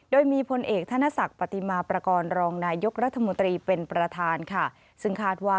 โดยมีพลเอกธนศักดิ์ปฏิมาประกอบรองนายกรัฐมนตรีเป็นประธานค่ะซึ่งคาดว่า